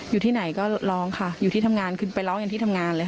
อยู่ที่ไหนก็ร้องค่ะอยู่ที่ทำงานขึ้นไปร้องอย่างที่ทำงานเลยค่ะ